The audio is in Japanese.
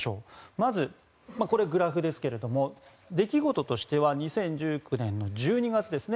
まず、これはグラフですけど出来事としては２０１９年１２月ですね。